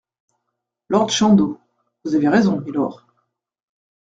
Lord Chandos Vous avez raison, mylord.